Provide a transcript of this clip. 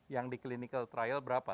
yang di clinical trial berapa